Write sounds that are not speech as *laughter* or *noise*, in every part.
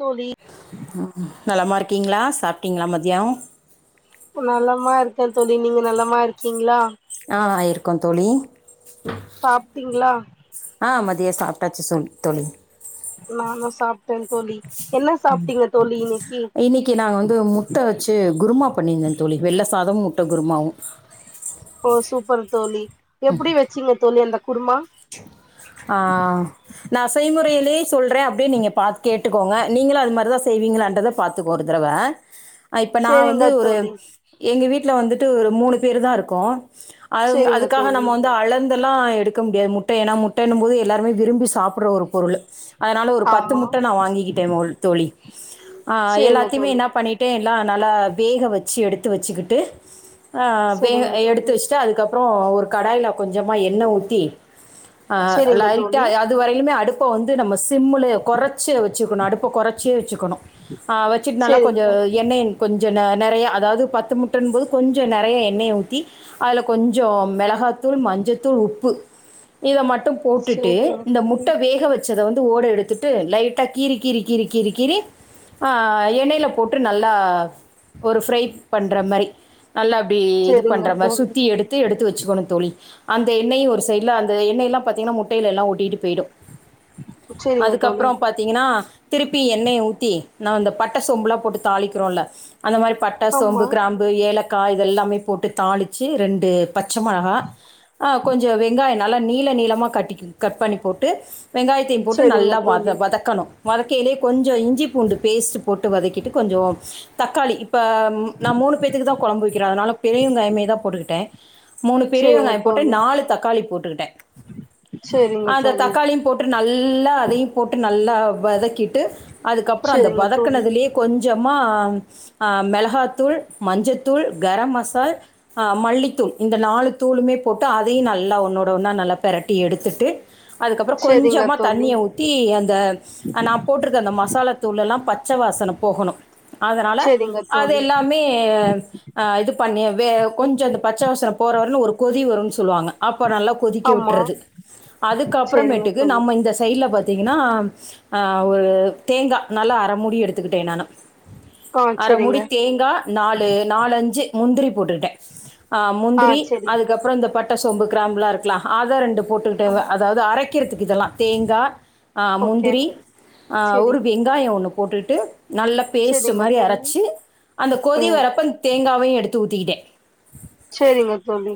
தோழி ம் நலமா இருக்கிங்ளா சாப்ட்டிங்ளா மதிய நலமா இருக்கே தோழி நீங்க நலமா இருக்கிங்ளா ஆ ஆ இருக்கோ தோழி சாப்டிங்ளா ஆ மதிய சாப்டாச்சு சொ தோழி நானு சாப்ட்டே தோழி என்ன சாப்ட்டீங்க தோழி இன்னைக்கி இன்னைக்கு நாங்க வந்து முட்ட வச்சு குருமா பண்ணிருந்தே தோழி வெள்ள சாதமு முட்ட குருமாவு ஓ சூப்பர் தோழி எப்பிடி வெச்சிங்க தோழி அந்த குருமா நா செய்முறையிலயே சொல்றே அப்டியே நீங்க பாத் கேட்டுக்கோங்க நீங்களு அது மாரிதா செய்விங்களான்றத பாத்துக் ஒரு தடவ க இப்ப நா சேரிங்க வந்து ஒரு தோழி எங்க வீட்ல வந்துட்டு ஒரு மூணு பேரு தா இருக்கோ அதுங் சேரிங்க அதுக்காக தோழி நம்ம வந்து அளந்தெல்லா எடுக்க முடியாது முட்டை ஏனா முட் னும்போது எல்லாருமே விரும்பி சாப்படற ஒரு பொருளு அதனால ஒரு பத்து ஆமா முட்ட நா வாங்கிகிட்ட மோல் தோழி ஆ சேரிங்க எல்லாத்தையுமே தோழி என்ன பண்ணிட்டே எல்லா நல்லா வேக வச்சு எடுத்து வச்சுகிட்டு அ வே சேரிங்க தோழி எடுத்து வச்ட்டு அதுக்கப் அப்ற ஒரு கடாய்ல கொஞ்சமா எண்ணெ ஊத்தி அ சேரிங்க லைட்டா தோழி அது வரையிலுமே அடுப் அப்ப வந்து நம்ம சிம்ல குறைச்செ வச்சுக்கணு அடுப்ப குறைச்சே வச்சுக்கணு ஆ வச்சுட்டு நல்லா கொஞ்ச சேரிங்க எண்ணெய கொஞ்சோ ந நெறையா அதாது பத்து முட்டன்ம் போது கொஞ்சோ நெறையா எண்ணெய ஊத்தி அதுல கொஞ்சோ மெள காதூள் மஞ்சத்தூள் உப்பு இத மட்டு போட்டுட்டு சேரிங்க இந்த தோழி முட்ட வேக வெ ச்சத வந்து ஓட எடுத்துட்டு லைட்டா கீறி கீறி கீறி கீறி கீறி ஆ எண்ணயில போட்டு நல்லா ஒரு ஃப்ரை பண்ற மாரி நல்லா அப்டி இது சேரிங்க பண்ற மாரி தோழி சுத்தி எடுத்து எடுத்து வச்சுக்கோணு தோழி அந்த எண்ணெயு ஒரு சைடுல அந்த எண்ணெயலா பாத்திங்னா முட்டையில எல்லா ஒட்டிகிட்டு போய்டு சேரிங்க தோழி அதுக்கப்புறோ பாத்திங்கனா திருப்பி எண்ணெய ஊத்தி நா அந்த பட்டை சோம்புலா போட்டு தாளிக்கிறோல அந்த மாரி பட்டை ஆமா சோம்பு கிராம்பு ஏலக் கா இதெல்லாமே போட்டு தாளிச்சு ரண்டு பச்சை மொளகா ஆ கொஞ்சோ வெங்காய நல்லா நீள நீள மா கட்டி கட் பண்ணி போட்டு வெங்காயத்தையு போட்டு சேரிங்க நல்லா வத தோழி வதக்கணு வதக்கையிலயே கொஞ்சோ இஞ்சி பூண்டு பேஸ்ட்டு போட்டு வதக்கிட்டு கொஞ்சோ தக்காளி இப்ப நா மூணு பேத்துக்கு தா கொழம்பு வெக்கிறே அதனால பெரிய வெங்காயமே தா போட்டுகிட்ட மூணு பெரிய சேரிங்க வெங்காய போட்டே தோழி நாலு தக்காளி போட்டுகிட்ட சேரிங்க அந்த தோழி தக்காளியு போட்டு நல்லா அதையு போட்டு நல்லா வதக்கிட்டு அதுக்கப்பறோ அந்த சேரிங்க தோழி வதக்கனதுலயே கொஞ் சமா அ மெளகாத்தூள் மஞ்சத்தூள் கரம் மசால் அ மல்லித்தூள் இந்த நாலு தூளுமே போட்டு அதையு நல்லா ஒன்னோட ஒன்னா நல்லா பெரட்டி எடுத்துட்டு அதுக்கப்ற சேரிங்க கொஞ்சமா தோழி தண்ணிய ஊத்தி அந்த நா போட்ருக்க அந்த மசாலாதூளெல்லா ப ச்ச வாசன போகணு அதனால செரிங்க அது தோழி எல்லாமே அ இது பண்ணி வே கொஞ்ச அந்த பச்ச வாசன போறவரைலு ஒரு கொதி வருன் சொல்லுவாங்க அப்போ நல்லா கொதிக்க ஆமா விட்டறது செரிங்க அதுக்கப்புறமேட்டுக்கு தோழி நம்ம இந்த சைடுல பாத் திங்னா ஆ ஒரு தேங்கா நல்லா அர மூடி எடுத்துக்கிட்டே நானு ஆ அர செரிங்க மூடி தேங்கா நாலு நாலஞ்சு முந்திரி போட்டுகிட்டே அ ஆ முந்திரி செரி அதுக்கப்புறோ இந்த பட்ட சோம்பு கிராம்புலா இருக்கலா அத ரெண்டு போட்டுகிட்டவ ஆமா அதாது அரைக்கறதுக்கு இதெல்லா தேங்கா ஆ ஓகே முந்திரி ஆ செரி ஒரு வெங்காய ஒன்னு போட்டுட்டு நல்லா பேஸ்ட் செரிங்க மாரி தோழி அரைச்சு அந்த கொதி ம் வரப்ப இந்த தேங்காவையு எடுத்து ஊத்திகிட்டே சரிங்க தோழி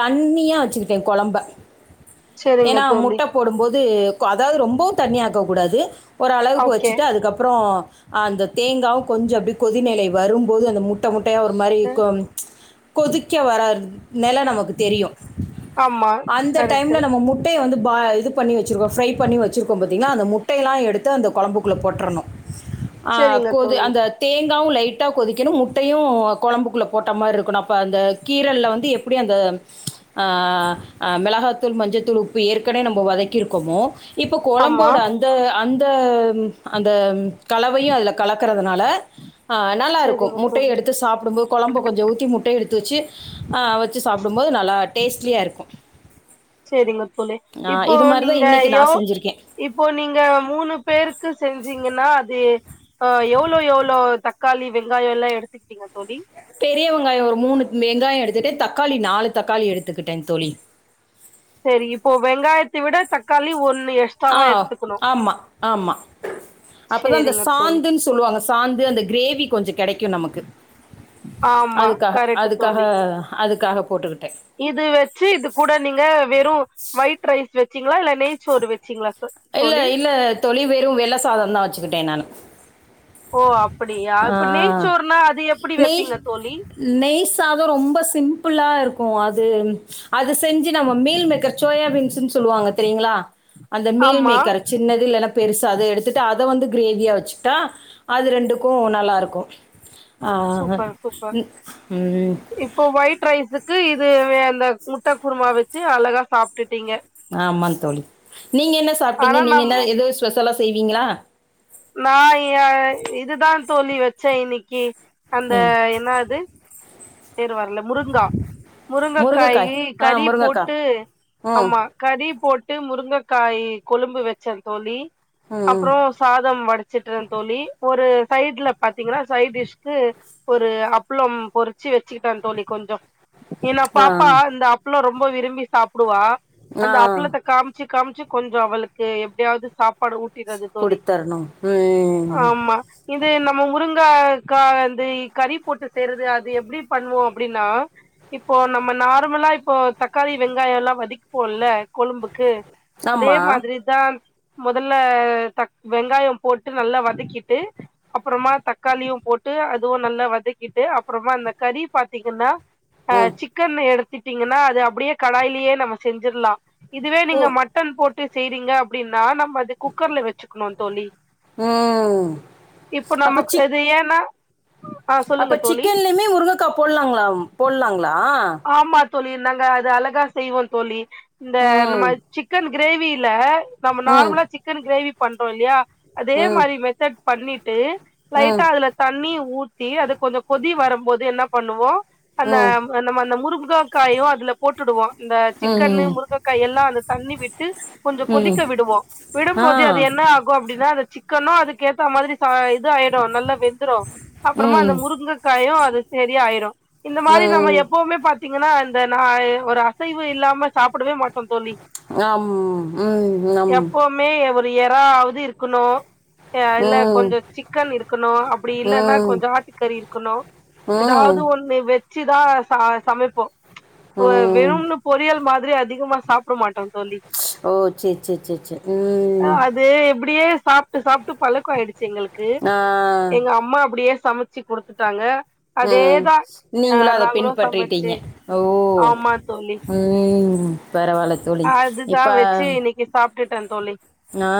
தண்ணியா வெச்சுகிட்டே கொழம்ப செரிங்க ஏனா தோழி முட்ட போடும்போது து அதாவுது ரொம்பவு தண்ணியாக்க கூடாது ஓரளவுக்கு ஓகே வச்சுட்டு அதுக்கப்புறோ அந்த தேங்காவு கொஞ்சோ அப்டி கொதிநிலை வரும்போது அந்த முட்ட முட் ட்டையா ஒரு மாரி இக்கு கொதிக்க வரா *unintelligible* நெல நமக்கு தெரியு ஆமா அந்த கரெக்ட்டு டைம்ல நம்ம முட்டய வந் வந்து பா இது பண்ணி வெச்சிருக்கோ ஃப்ரை பண்ணி வச்சிருக்கோ பாத்தீங்கலா அந்த முட்டை எல்லா எடுத்து அந்த கொழம்புக்குள்ள போட்றனு ஆ செரிங்க கொது தோழி அந்த தேங்காவு லைட் டா கொதிக்கனு முட்டையு கொழம்புக்குள்ள போட்ட மார்ருக்கனு அப்ப அந்த கீரல்ல வந்து எப்டி அந்த ஆ அ மிளகா தூள், மஞ்சத்தூள், உப்பு ஏற்கனே நம்போ வதக்கிருக்கொமோ இப்ப ஆமா கொழம்போட அந்த அந் த ம் அந்த கலவையு அதுல கலக்கறதுனால அ நல்லாருக்கு செரிங்க முட்டைய தோழி எடுத்து சாப்டும்போ கொ ழம்ப கொஞ்சோ ஊத்தி முட்டைய எடுத்து வெச்சி ஆ வச்சு சாப்டும் போது நல்லா டேஸ்ட்லியா இருக்கு செரிங்க தோழி இப்போ இது மாதிரி தான் நீங்க இன்னைக்கு யோ நான் செஞ்சுருக்கேன் இப்போ நீங்க மூணு பேருக்கு செஞ்சீங்கன்னா அது அ எவ்ளோ எவ்ளோ தக்காளி வெங்காயோ எல்லா எடுத்துக்ட்டீங்க தோழி பெரிய வெங்காயோ ஒரு மூணு வெங்காயோ எடுத்துட்டு தக்காளி நாலு தக்காளி எடுத்துக்கிட்டே தோழி செரி இப்போ வெங்காயத்தி விட தக்காளி ஒன் ஆ ஆமா ஆமா அப்பதா அந்த சேரிங்க தோழி சாந்துன் சொல்வாங்க சாந்து அந்த கிரேவி கொஞ்சோ கெடைக்கு நமக்கு ஆமா அதுக்காக கரெக்ட் அதுக்காக தோழி அதுக்காக போட்டுக்கிட்டே இது வெச்சி இது கூட நீங்க வெறு ஒயிட் ரைஸ் வெச்சீங்ளா இல்ல நெய்ச்சோறு வெச்சீங்ளா இல்ல இல்ல தோழி வெறு வெள்ள சாதந்தா வச்சுக்கிட்டே நானு ஓ அப்படியா இப்ப நெய்ச்சோறுனா அது எப்டி நெய் வெப்பீங்க தோழி நெய் சாதோ ரொம்ப சிம்ப்பிளா இருக்கு அது அது செஞ்சு நம்ம மீல் மேக்கர் சோயாபீன்ஸ்ன் சொல்வாங்க தெரியுங்களா இந்த மீல் ஆமா மேக்கர் சின்னது இல்லனா பெருசா அத எடுத்துட்டு அத வந்து கிரேவியா வச்சுக்ட்டா அது ரெண்டுக்கு நல்லாருக்கு சூப்பர் சூப்பர் ம் இப்போ ஒயிட் ரைஸு க்கு இதுவே அந்த முட்ட குருமா வெச்சி அழகா சாப்ட்டுட் ஆம்மா தோழி நீங்க என்ன சாப்ட்டீங்க ஆனா நீங்க என்ன நம்ம எதோ ஸ்பெஷலா செய்வீங்களா நா எ இதுதா தோழி வெச்சே இன்னைக்கு அந்த ம் என்ன அது பேரு வர்ல முருங்கா முருங்கைக்காய் முருங்கக்காயி ஆ கறி முருங்கைக்கா போட்டு ம் ஆமா கறி போட் டு முருங்கக்காயி கொழும்பு வெச்ச தோழி ம் அப்றோ சாதம் வடி ச்சிட்ற தோழி ஒரு சைட்ல பாத்தீங்கனா சைட் டிஷ்க்கு ஒரு அப்பளம் பொரி ச்சி வெச்சிக்கிட்ட தோழி கொஞ்சோ ஏனா ஆ பாப்பா இந்த அப்பளோ ரொம்ப விரும்பி சாப்புடுவா அந்த ஆ அப்பளத்த காம்ச்சு காம்ச்சு கொஞ்சோ அவளுக்கு எப்டியாவ்து சாப்பாடு ஊட் டீறது தோழி குடுத்தரணும் ம் ஆம்மா இது நம்ம முருங் கக்கா வந்து கறி போட்டு செய்றது அ து எப்டி பண்வோ அப்டின்னா இப்போ நம்ம நார்மலா இப்போ தக்காளி வெங்காயோ எல்லா வதக்கிப் போல்ல கொழும்புக்கு அதே ஆமா மாதிரி தான் மொதல்ல தக் வெங்காயோ போட்டு நல்லா வதக்கிட்டு அப்பறமா தக்காளியு போட்டு அதுவு நல்லா வதக்கிட்டு அப்பறமா அந்த கறி பாத்தீங்கன்னா அ ம் சிக்கன் எடு த்துட்டீங்கன்னா அது அப்டியே கடாய்லியே நம்ம செஞ்சிர்லா இதுவே ஓ நீங்க மட்டன் போட்டு செய்றீங்க அப்டின்னா நம்ம அது குக்கர்ல வெச்சுக்னு தோழி ம் இப்ப அப்ப நமக் சிக் அது ஏனா ஆ சொல்லுங்க அப்ப தோழி சிக்கன்லயுமே முருங்கக்கா போட்லாங்களாம் போட்லாங்களா ஆமா தோழி நாங்க அது அழகா செய்வோ தோழி இந்த நம்ம ம் சிக்கன் கிரேவில நம்ம ம் நார்மலா சிக்கன் கிரேவி பண்றோ இல்லியா அதே ம் மாரி மெத்தட் பண்ணிட்டு லைட்டா ம் அதுல தண்ணி ஊத்தி அது கொஞ்சோ கொதி வரும்போது என்ன பண்ணுவோ அந்த ம் நம்ம அந்த முருமுக காயு அதுல போட்டுடுவோ இந்த சிக்கன்னு ம் முருங்கக்காய் எல்லா அது தண்ணி விட்டு கொஞ்சம் ம் கொதிக்க விடுவோ ஆ விடும்போதே அது என்னாகு அப்டிதா அந்த சிக்கனு அதுக்கேத்த மாதிரி சா வந்து ஆயிடு நல்லா வெந்துர அப்பறமா அந்த ம் முருங்கைக்காயு அது சரியாயிடு இந்த மாரி நம்ம ம் எப்பவுமே பாத்தீங்கன்னா இந்த நா ஒரு அசைவு இல்லாம சாப்டவே மாட்டோ தோழி அம் ம் அம் எப்பவுமே ஒரு எறாவது இருக்கணு இல்ல கொஞ்ச சிக்கன் இருக்கணு அப்படி ம் இல்லன்னா ம் கொஞ்ச ஆட்டுக்கறி இருக்கணு ம் ஏதாவது ஒண்ணு வெச்சுதா ச சமைப்போ அ வெறும்னு பொரியல்மா திரி அதிகமா சாப்ட மாட்டாங்க ஓ சரி சரி சரி சரி ம் அப்டியே சாப்ட்டு சாப்ட்டு பழக்க ஆடுச்சு எங்களுக்கு ஆ எங்க அம்மா அப்டியே சமைச்சு கொடுத்துட்டாங்க ம். அதேதா அ நீங்களும் அத நாங்களு சமைச்சு பின்பற்றிட்டீங்க. ஓ! ஆமா தோழி ம். பரவால்ல தோழி. அதுதா இப்ப வச்சு இன்னைக்கு சாப்ட்டுட்டோ தோழி ஆ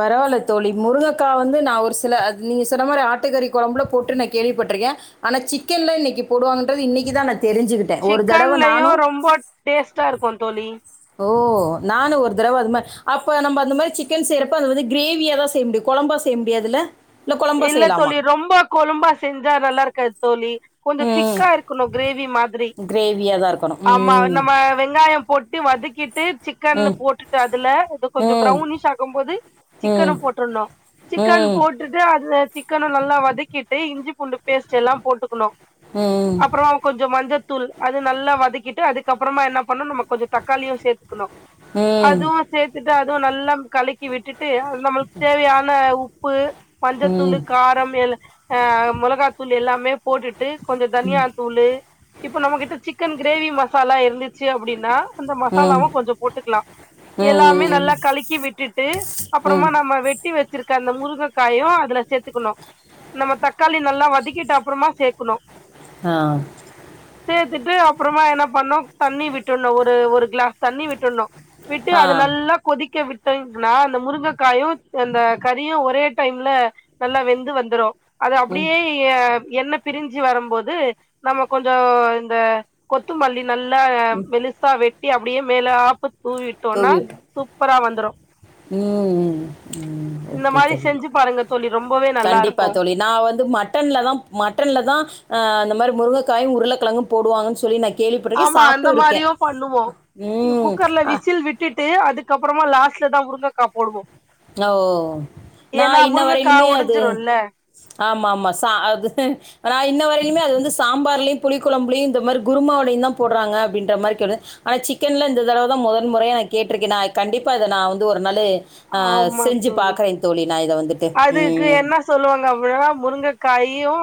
பரவால்ல தோழி முருங்கக்கா வந்து நா ஒரு சில நீங்க சொன்ன மாரி ஆட்டுக்கறி கொழம்புல போட்டு நா கேள்விப்பட்ருக்கே ஆனா சிக்கன்ல இன்னைக்கு போடுவாங்கன்றது இன்னைக்கு தா நா சிக்கன்லயு ரொம்ப டேஸ்டா இருக்கு தோழி ஓ நானு ஒரு தடவ அந்த மாரி அப்ப அந்த மாரி சிக்கன் செய்ரப்ப அது வந்து க்ரேவியா தா செய்ய முடியு கொழம்பா செய் க்க முடியாதுல இல்ல தோழி ரொம்ப கொழும்பா செஞ்சா நல்லாருக்காது தோழி கொஞ்ச ம். திக்கா இருக்கணு கிரேவி மாரி கிரேவியா தான் இருக்கணும். ஆமா ம். நம்ம வெங்காய போட்டு வதக்கிட்டு சிக்கன் ம். போட்டுட்டு அதுல இத கொஞ்ச ம். ப்ரௌனிஷ் ஆக்கும்போது ம் சிக்கனு போட்டுரனு ம் சிக்கன் ம் போட்டுட்டு அது சிக்கன நல்லா வதக்கிட்டு இஞ்சி பூண்டு பேஸ்ட் எல்லா போட்டுக்கணு ம் அப்புற கொஞ்ச மஞ்சத்தூள் அது நல்லா வதக்கிட்டு அதுக்கப்புறமா என்ன பண்னணு நம்ம கொஞ்ச தக்காளியு சேத்துக்கணு ம் அதுவு சேத்துட்டு அதுவு நல்லா கலக்கி விட்டுட்டு நம்மளுக்கு தேவையான உப்பு மஞ்சத்தூளு கார ஆ மெளகாத்தூள் எல்லாமே போட்டுட்டு கொஞ்ச தனியாத்தூளு இப்ப நம்மகிட்ட சிக்கன் கிரேவி மசாலா இருந்துச்சு அப்படின்னா அந்த ம் ம் மசாலாவு கொஞ்ச போட்டுக்கலா எல்லாமே நல்லா கலக்கி விட்டுட்டு அப்புறமா ம் நம்ம வெட்டி வச்சிருக் க அந்த முருங்கக்காயு அதுல சேத்துக்கணு நம்ம தக்காளி நல்லா வதக்கிட்டு அப்பறமா சேக்கனனு ஆ ட்டு அப்பறமா என்னா பண்னோ தண்ணி விட்டுணு ஒரு ஒரு கிளாஸ் தண்ணி விட்டுணு விட்டு ஆ அது நல்லா கொதிக்க விட் னா அந்த முருங்கைக்காயு அந்த கறியு ஒரே டைம்ல நல்லா வெந்து வந்துரு அது ம் அப்படியே ஏ என்ன பிரிஞ்சு வரும்போது நம்ம கொஞ்ச இந்த கொத்துமல்லி நல்லா மெலிசா வெட்டி அப்டியே மேலாப்ப தூவிட்டோம்னா தூவி விட்டு சூப்பரா வந்துரு ம் ம் ஓகே தோழி செஞ்சி பாருங்க தோழி ரொம்பவே நல்லா கண்டிப்பா இருக்கு தோழி நா வந்து மட்டன்லதா மட்டன்ல தா அ இந்த மாரி முருங்காயு உருளக்கெழங்கு போடுவாங்கன்னு சொல்லி நா கே ஆமா அந்த மாரியு பண்ணுவோ எ ம் குக்கர்ல ஆ விசில் விட்டுட்டு அதுக்கப்புறமா லாஸ்ட் லதா முருங்கக்கா போடுவோ நா ஓ நா ஏன்னா இன்ன முருங்கக்கா வரையிலுமே அது ஒடஞ்சிருல்ல ஆமா ஆமா ச அது நா இன்ன வரையிலுமே அது வந்து சாம்பார்லயு புளி கொழம்புலையு இந்த மாரி குருமாவளையு தா போடுறாங்க அப்டின்ற மாரி ஆனா சிக்கன்ல இந்த தடவ தா முதல் முறையா கேட்டிருக்கே நா கண்டிப்பா அதை நா வந்து ஒரு நாளு ஆ ஆமா செஞ்சு தோழி பாக்குறேன் தோழி நா இத வந்துட்டு அதுக்கு ம் என்ன சொல்லுவாங்க அப்படின்னா முருங்க கையு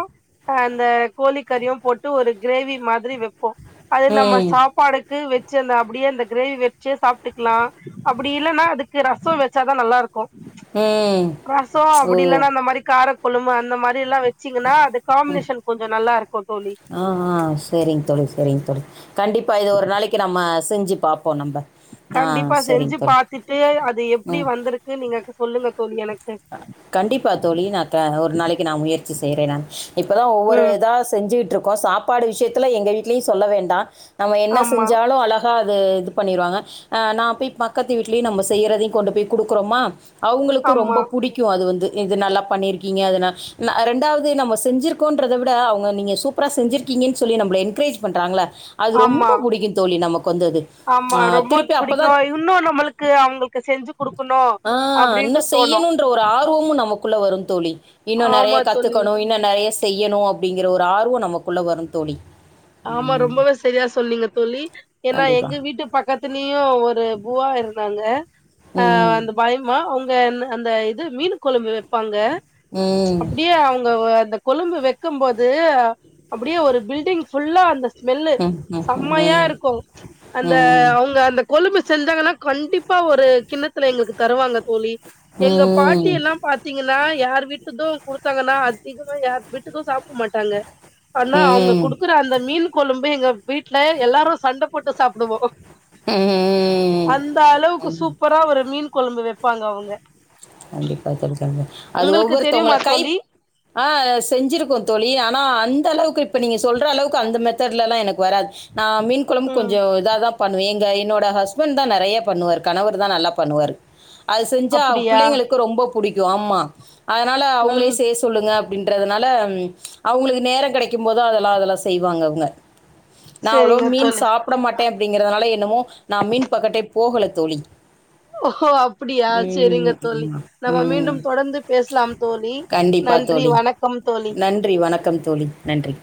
அந்த கோழிக்கறியு போட்டு ஒரு கிரேவி மாதிரி வைப்போ அது நம்ம ம் சாப்பாடு வச்சு அந்த அப்படியே அந்த கிரேவி வச்சு சாப்ட்டுக்கலா அப்படி இல்லைன்னா அதுக்கு ரச வச் ச்சாதா நல்லாருக்கு ம் ரச ஓ அப்டி இல்லன்னா அந்த மாரி கார பொழுமா அந்த மாரில்லா வச்சிங்கன்னா ம் ஆ ஆ சரிங் தோழி சரிங் தோழி கண்டிப் இப்போ இது ஒரு நாளைக்கு நம்ம செஞ்சு பாப்போ நம்ப ஆ கண்டிப்பா சரிங்க செஞ்சு தோழி பாத்துட்டு அது எப்டி வந்திருக்கு நீங்க சொல்லுங்க தோழி எனக் கண்டிப்பா தோழி நா க ஒரு நாளைக்கு நா முயற்சி செய்யுறே நானு இப்பதா ஒவ்வொரு ம் இதா செஞ்சுகிட்ருக்கோ சாப்பாடு விஷயத்துல எங்க வீட்லயு சொல்ல வேண்டா நம்ம என்ன ஆமா செஞ்சாலு அழகா அது இது பண்ணிருவாங்க ஆ நா போய் பக்கத்து வீட்லயு நம்ம செய்யறதையு கொண்டு போய் குடுக்குறோமா அவங்களுக்கு ஆமா ரொம்போப் அது வந்து இது நல்லா பண்ணிருக்கீங்க அதன நா ரெண்டாவது நம்ம செஞ்சிருக்கோன்றத விட அவங்க நீங்க சூப்பரா செஞ் செஞ்சிருக்கிங்க ன்னு சொல்லி நம்மள என்கரேஜ் பண்றாங்கள ஆமா அது ஆமா ஆஹ் ரொம்ப திருப்பி அப்போ பிடிக்கு தான் இன்னு நம்மளுக்கு அவங்களுக் செஞ்சி குடு ஆ இன்னு செய்யணும்ன்ற ஒரு ஆர்வமு நமக்கு குள்ள வரு தோழி இன்னு நெறைய ஆமா தோழி கத்துக்கணு இன்னு நெறைய செய்யணு அப் அப்படிங்கிற ஒரு ஆர்வ நமக்குள்ள வரு தோழி ஆமா ரொம்பவே சரியா சொன்னீங்க தோழி ஏன்னா கண்டிப்பா. எங்க வீட்டு பக்கத்துல யு ஒரு பூவா இருந்தாங்க அ ம். அந்த பாயம்மா உங் க அந்த இது மீன் கொழம்பு வைப்பாங்க ம். அப்படியே அவங்க அந்த கொழம்பு வைக்கும் போது அப்டியே ஒரு பில்டிங் ஃபுல்லா அந்த ஸ்மெல்லு ம். ம். செம்மையா ம். இருக்கு அந்த ம். அவங்க அந்த கொழம்பு செஞ்சாங்கன்னா கண்டிப் இப்ப ஒரு கிண்ணத்துல எங்களுக்கு தருவாங்க தோழி எங்க பாட்டி ம். எல்லா பாத்தீங்கன்னா யாரு வீட்டுது குடுத்தாங்கன்னா அதிகமா யார் வீட்டுது சாப்ட மாட்டாங்க ஆனா ம். அவங்க ம். குடு அந்த மீன் கொழம்பு எங்க வீட்ல எல்லாரு சண்ட போட்டு சாப்டுவோ ம். அந்த அளவுக்கு சூப்பரா ஒரு மீன் கொழம்பு வைப்பாங்க அவங்க கண்டிப்பா தோழி அது உங்களுக்கு ஒவ்வொருத்தவங்கள தெரியுமா கை தோழி அ செஞ்சிருக்கு தோழி ஆனா அந்தளவுக் இப்ப நீங்க சொல்ற அளவுக்கு அந்த மெத்தட்லல்லலா எனக்கு வராது நா மீன் கொழம்பு கொஞ்ச ம் இதாதா பண்ணுவே எங் என்னோட ஹஸ்பண்ட் தா நெறைய பண்ணுவாரு கணவர் தா நல்லா பண்ணுவாரு அது செஞ்சா அப்டியா புள்ளைங்களுக்கு ரொம்ப புடிக்கு ஆமா அதனால அவங்களே ம் செய்ய சொல்லுங்க அப் படின்றதுனால அவங்களுக்கு நேர கெடைக்கு போது அதெல்லா அதெல்லா செய்வாங்க அவங்க நா அவ்ளோவா செரிங்க மீன் தோழி சாப்பட மாட்டே அப்டிங்கிறதுனால என்னமோ நா மீன் பக்கட்டே போகல தோழி ஓஹோ அப்படியா சரிங்க ம். தோழி ஆமா. நம்ம மீண்டு ம். தொடந்து பேசலா தோழி கண்டிப்பாக நன்றி தோழி வணக்கம் தோழி நன்றி வணக்கம் தோழி நன்றி